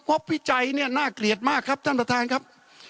บวิจัยเนี่ยน่าเกลียดมากครับท่านประธานครับ